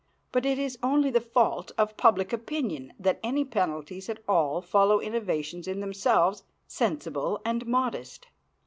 But it is only the fault of public opinion that any penalties at all follow innovations in themselves sensible and modest.